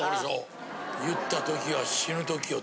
「言った時は死ぬ時よ」